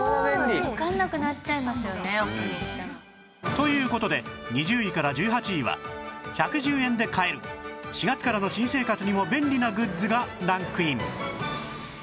という事で２０位から１８位は１１０円で買える４月からの新生活にも便利なグッズがランクイン